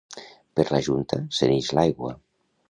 Per la junta se n'ix l'aigua.